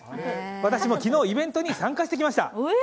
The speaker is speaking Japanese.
私も昨日、イベントに参加してきました。